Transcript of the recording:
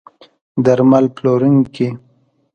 درمل پلورونکي